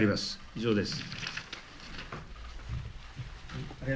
以上です。